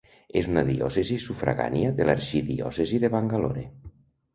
És una diòcesi sufragània de l'arxidiòcesi de Bangalore.